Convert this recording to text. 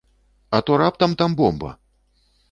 А то раптам там бомба!